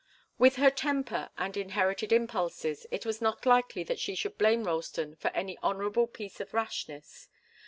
With her temper and inherited impulses it was not likely that she should blame Ralston for any honourable piece of rashness.